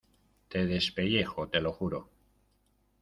te despellejo, te lo juro.